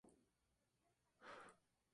Según La Nación.